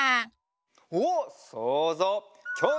おっそうぞう！